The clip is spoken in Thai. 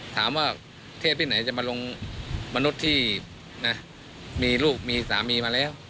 เทพที่ไหนจะมาลงมนุษย์ที่นะมีลูกมีสามีมาแล้ว